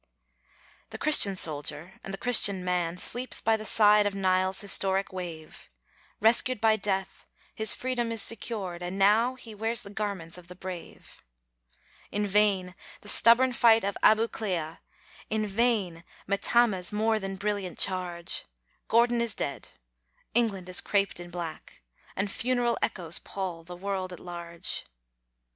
The Christian soldier, and the Christian man, Sleeps by the side of Nile's historic wave, Rescued by Death, his freedom is secured, And now he wears the garments of the brave. In vain the stubborn fight of Abu Klea; In vain Metammeh's more than brilliant charge; Gordon is dead; England is craped in black, And funeral echoes pall the world at large.